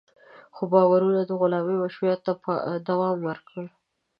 خو باورونه د غلامۍ مشروعیت ته دوام ورکړ.